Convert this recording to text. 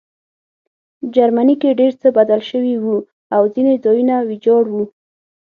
جرمني کې ډېر څه بدل شوي وو او ځینې ځایونه ویجاړ وو